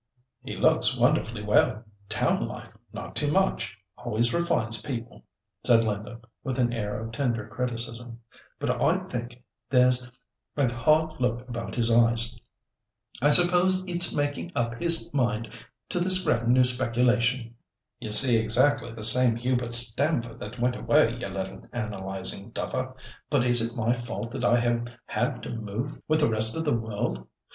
"He looks wonderfully well. Town life—not too much—always refines people," said Linda, with an air of tender criticism; "but I think there's a hard look about his eyes. I suppose it's making up his mind to this grand new speculation." "You see exactly the same Hubert Stamford that went away, you little analysing duffer, but is it my fault that I have had to move with the rest of the world?